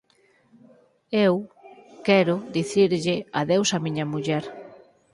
Eu… quero… dicirlle… adeus á miña muller.